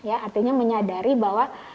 artinya menyadari bahwa